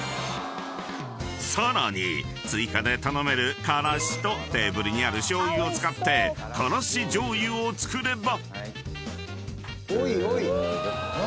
［さらに追加で頼めるからしとテーブルにある醤油を使ってからし醤油を作れば］